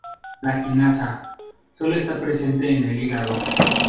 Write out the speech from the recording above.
La quinasa sólo está presente en el hígado.